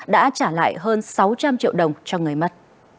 đã trả lại hơn sáu trăm linh triệu đồng cho người mất